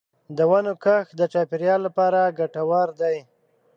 د ونو کښت د چاپېریال لپاره ګټور دی.